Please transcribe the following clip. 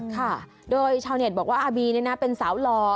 ค่ะโดยชาวเน็ตบอกว่าอาบีเป็นสาวหล่อ